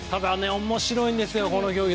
面白いんですよ、この競技。